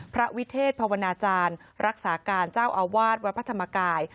พระวิเทศภาวนาจารย์รักษาการเจ้าอาวาสวัดพระธรรมกาย